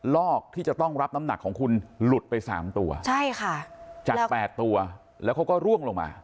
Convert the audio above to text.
ลอกที่จะต้องรับน้ำหนักของคุณหลุดไปสามตัวใช่ค่ะจาก๘ตัวแล้วเขาก็ร่วงลงมา